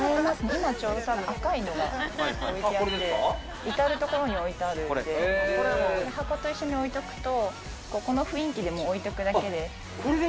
今ちょうど赤いのが置いてあって、至るところに置いてあるんで、箱と一緒に置いとくと、この雰囲気で置いとくだけで。